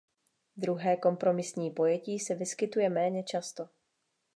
Druhé kompromisní pojetí se vyskytuje méně často.